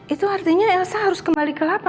itu artinya elsa harus kembali ke lapas ya pak